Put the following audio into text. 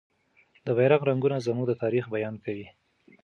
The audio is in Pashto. د بیرغ رنګونه زموږ د تاریخ بیان کوي.